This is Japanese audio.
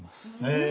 へえ。